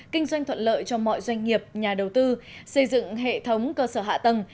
kinh doanh thuận lợi cho mọi doanh nghiệp nhà đầu tư xây dựng hệ thống cơ sở hạ tầng